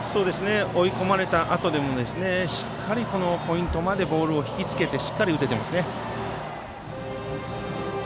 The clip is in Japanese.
追い込まれたあとでもしっかりポイントまでボールを引きつけて打てていますね。